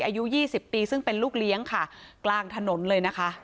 อายุ๒๐ปีซึ่งเป็นลูกเลี้ยงค่ะกลางถนนเลยนะคะ